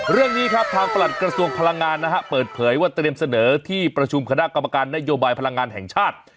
เรื่องนี้ครับทางประหลัดกระทรวงพลังงานนะฮะเปิดเผยว่าเตรียมเสนอที่ประชุมคณะกรรมการนโยบายพลังงานแห่งชาติ